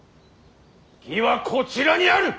義はこちらにある！